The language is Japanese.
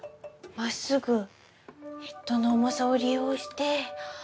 まっすぐヘッドの重さを利用して。